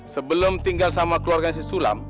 sebelum tinggal sama keluarga si sulam